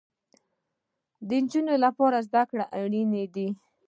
د انجونو لپاره زده کړې اړينې دي